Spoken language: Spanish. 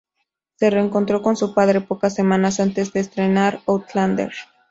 Se reencontró con su padre pocas semanas antes de estrenar Outlander.